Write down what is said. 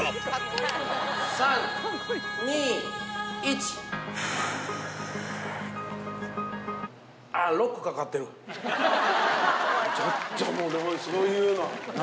ちょっともうそういうの何？